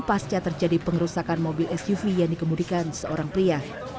pasca terjadi pengerusakan mobil suv yang dikemudikan seorang pria